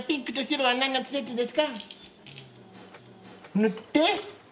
塗って。